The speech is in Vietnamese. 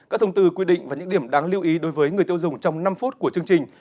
các thông tư quy định và những điểm đáng lưu ý đối với người tiêu dùng trong năm phút của chương trình